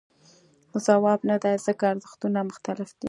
ځواب نه دی ځکه ارزښتونه مختلف دي.